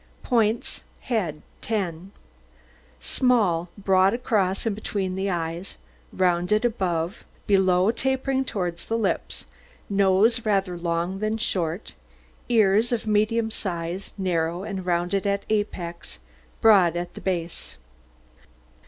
POINTS HEAD 10 Small, broad across and between the eyes, rounded above, below tapering towards the lips, nose rather long than short, ears of medium size, narrow and rounded at apex, broad at the base.